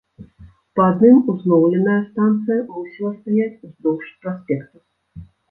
Па адным узноўленая станцыя мусіла стаяць уздоўж праспекта.